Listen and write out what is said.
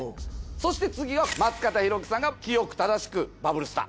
そして次は松方弘樹さんが「清く正しくバブルスター」。